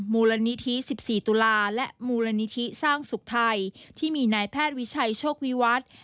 มูลนิธิ๑๔ตุลาและมูลนิธิสร้างสุขภัยที่มีนายแพทย์วิชัยโชควิวัฒน์